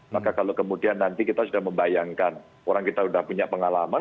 maka kalau kemudian nanti kita sudah membayangkan orang kita sudah punya pengalaman